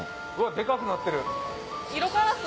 デカくなってる。